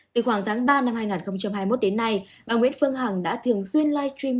từ khoảng tháng ba năm hai nghìn hai mươi một đến nay bà nguyễn phương hằng đã thường xuyên live stream